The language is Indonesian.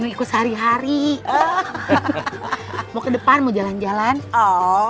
ikut sehari hari mau ke depan mau jalan jalan oh